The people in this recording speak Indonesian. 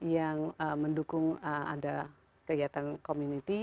yang mendukung ada kegiatan community